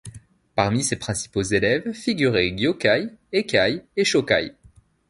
Parmi ses principaux élèves figuraient Gyōkai, Eikai et Chōkai.